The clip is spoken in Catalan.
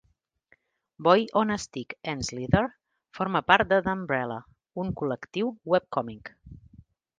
Boy on a Stick and Slither forma part de Dumbrella, un col.lectiu webcòmic.